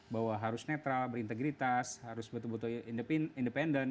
bahwa harus netral berintegritas harus betul betul independen